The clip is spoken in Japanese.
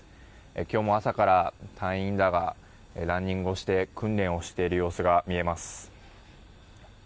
今日も朝から隊員らがランニングをして訓練をしている様子が見えます。